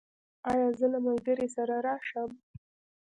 ایا زه له ملګري سره راشم؟